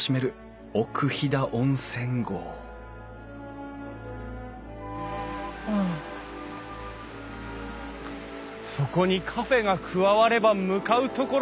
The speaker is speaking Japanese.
そこにカフェが加われば向かう所敵なし！